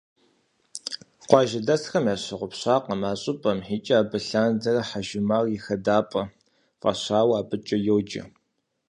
Къуажэдэсхэм ящыгъупщакъым а щӏыпӏэр икӏи абы лъандэрэ «Хьэжумар и хадапӏэ» фӏащауэ абыкӏэ йоджэ.